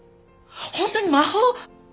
本当に魔法。